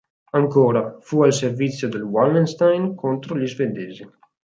Ancora, fu al servizio del Wallenstein contro gli Svedesi.